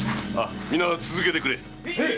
皆続けてくれ。